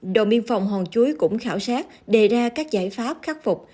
đội miên phòng hòn chuối cũng khảo sát đề ra các giải pháp khắc phục